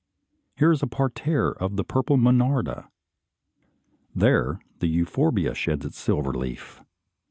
Here is a parterre of the purple monarda, there the euphorbia sheds its silver leaf.